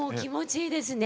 いいですね